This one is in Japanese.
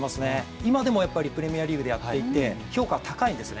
今でもプレミアリーグでやっていて評価、高いんですね。